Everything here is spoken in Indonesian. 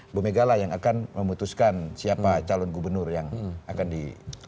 ibu megawati yang akan memutuskan siapa calon gubernur yang akan diusung